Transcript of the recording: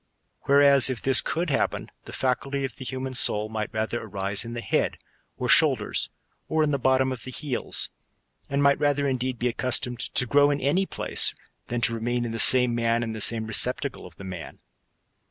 Whereas if this could happen, the faculty of the human soul might rather arise in the head, or shoulders, or in the bottom of the heels, and might rather indeed be accustomed to grow in any place, than to remain in the same man and the same receptacle of the man.